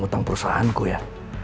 hutang perusahaanku ya